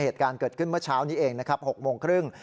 เหตุการณ์เกิดขึ้นเมื่อเช้านี้เองนะครับ๖โมงครึ่ง